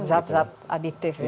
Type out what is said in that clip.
zat zat aditif gitu